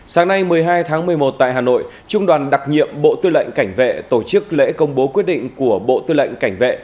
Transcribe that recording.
sáng nay một mươi hai tháng một mươi một tại hà nội trung đoàn đặc nhiệm bộ tư lệnh cảnh vệ tổ chức lễ công bố quyết định của bộ tư lệnh cảnh vệ